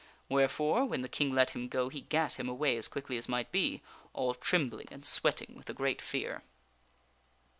Wherefore, when the King let him go he gat him away as quickly as might be, all trembling and sweating with a great fear.